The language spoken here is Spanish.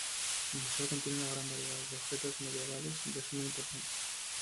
El museo contiene una gran variedad de objetos medievales de suma importancia.